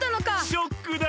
ショックだろ！